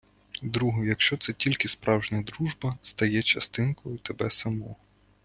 Друг — якщо це тільки справжня дружба -— стає частинкою тебе самого.